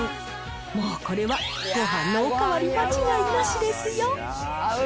もうこれはごはんのお代わり間違いなしですよ。